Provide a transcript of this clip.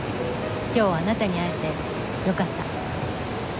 今日あなたに会えてよかった。